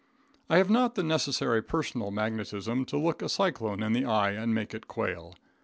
I have not the necessary personal magnetism to look a cyclone in the eye and make it quail.